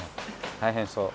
大変そう。